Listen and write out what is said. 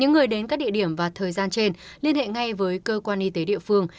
những người đến các địa điểm và thời gian trên liên hệ ngay với cơ quan y tế địa phương